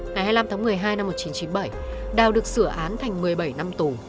ngày hai mươi năm tháng một mươi hai năm một nghìn chín trăm chín mươi bảy đào được sửa án thành một mươi bảy năm tù